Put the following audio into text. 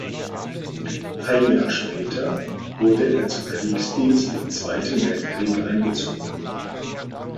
Ein Jahr später wurde er zum Kriegsdienst im Zweiten Weltkrieg eingezogen.